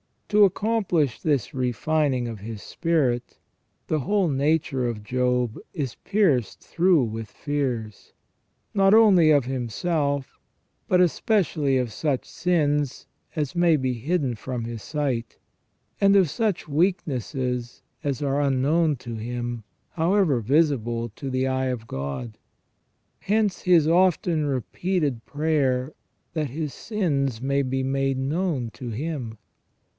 To accomplish this refining of his spirit, the whole nature of Job is pierced through with fears, not only of him self, but especially of such sins as may be hidden from his sight, and of such weaknesses as are unknown to him, however visible to the eye of God. Hence his often repeated prayer that his sins may be made known to him.